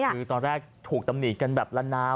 คือตอนแรกถูกตำหนิกันแบบละนาว